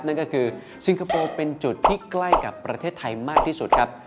นั่นก็คือซิงคโปร์เป็นจุดที่ใกล้กับประเทศไทยมากที่สุดครับ